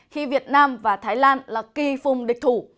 khi việt nam và thái lan là kỳ phùng địch thủ